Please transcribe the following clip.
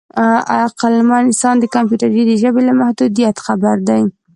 عقلمن انسان د کمپیوټر د ژبې له محدودیت خبر دی.